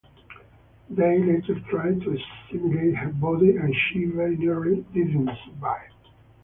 They later tried to assimilate her body and she very nearly didn't survive.